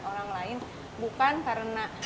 orang lain bukan karena